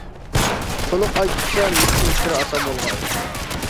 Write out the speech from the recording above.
تولۇق ئاي چۈشىسە، مۈشكۈل ئىشلىرى ئاسان بولغاي.